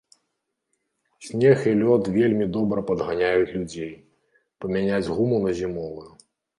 Снег і лёд вельмі добра падганяюць людзей, памяняць гуму на зімовую.